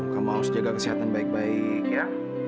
kamu harus jaga kesehatan baik baik ya